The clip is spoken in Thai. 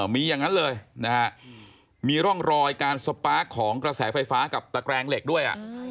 มีอย่างนั้นเลยนะฮะมีร่องรอยการสปาร์คของกระแสไฟฟ้ากับตะแกรงเหล็กด้วย